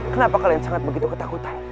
kenapa kalian sangat begitu ketakutan